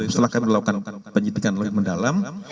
setelah kami melakukan penyitikan lebih mendalam